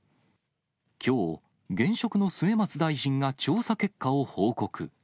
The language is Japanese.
きょう、現職の末松大臣が調査結果を報告。